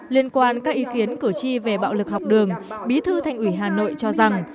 liên quan các ý kiến cử tri về bạo lực học đường bí thư thành ủy hà nội cho rằng